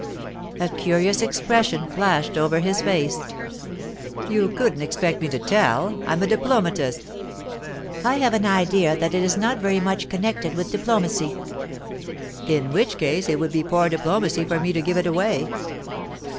A curious expression flashed over his face. 'You couldn't expect me to tell; I'm a diplomatist.' 'I have an idea that it is not very much connected with diplomacy.' 'In which case it would be poor diplomacy for me to give it away.